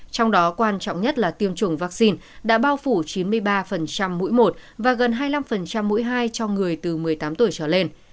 trong đó quan trọng nhất là tiêm chủng vaccine đã bao phủ chín mươi ba mũi một và gần hai mươi năm mũi hai cho người từ một mươi tám tuổi trở lên